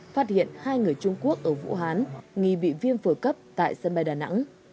phát hiện hai người trung quốc ở vũ hán nghi bị viêm phổi cấp tại sân bay đà nẵng